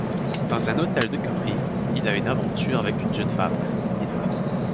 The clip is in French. Dans un hôtel de Capri, il a une aventure avec une jeune femme, Mila.